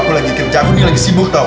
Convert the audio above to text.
aku lagi kerja aku lagi sibuk tau